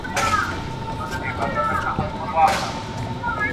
ميرويس خان نيکه د افغاني دودونو ساتنې ته څنګه پام کاوه؟